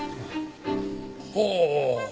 ほう。